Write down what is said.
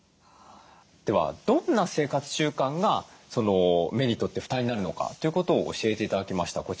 ではどんな生活習慣が目にとって負担になるのかということを教えて頂きました。